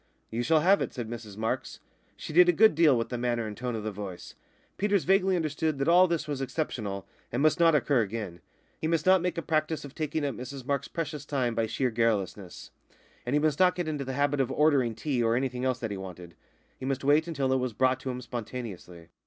"You shall have it," said Mrs Marks. She did a good deal with the manner and the tone of the voice. Peters vaguely understood that all this was exceptional, and must not occur again; he must not make a practice of taking up Mrs Marks's precious time by sheer garrulousness; and he must not get into the habit of ordering tea or anything else that he wanted he must wait until it was brought to him spontaneously.